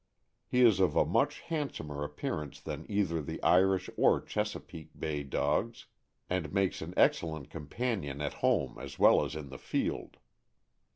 He is of a much handsomer appearance than either the Irish or THE ENGLISH WATEK SPANIEL. 303 Chesapeake Bay dogs, and makes an excellent companion at home as well as in the field.